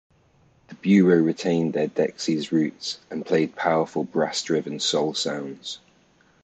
The Bureau retained their Dexys roots and played powerful brass-driven soul sounds.